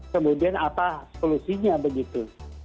kemudian apa solusinya begitu